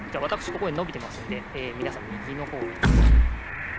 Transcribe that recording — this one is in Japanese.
ここでのびてますんでみなさんみぎのほうみてもらって。